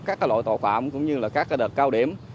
các loại tội phạm cũng như là các đợt cao điểm